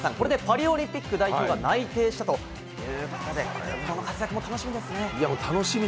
これでパリオリンピック代表が内定したということで、今後の活躍も楽しみですね。